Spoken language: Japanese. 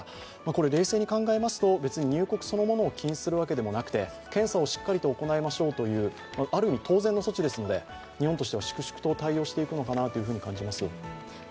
冷静に考えますと、別に入国そのものを禁止するわけではなくて検査をしっかりと行いましょうという、ある意味当然の措置ですので、日本としては粛々と対応していくのかなと思います。